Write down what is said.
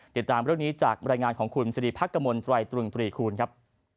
ติดตามเรื่องนี้จากบรรยายงานของคุณสิริพักกมลตรายตรึงตรีคูณครับ